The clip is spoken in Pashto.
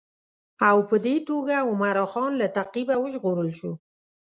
او په دې توګه عمرا خان له تعقیبه وژغورل شو.